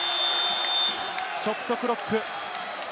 ショットクロック。